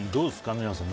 皆さん。